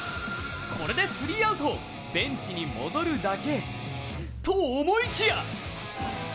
これで３アウトベンチに戻るだけと思いきや！